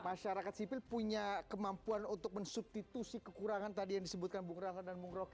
masyarakat sipil punya kemampuan untuk mensubstitusi kekurangan tadi yang disebutkan bung rahlan dan bung roky